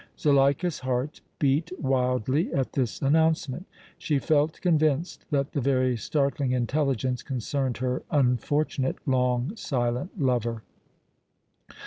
Zuleika's heart beat wildly at this announcement; she felt convinced that the very startling intelligence concerned her unfortunate, long silent lover.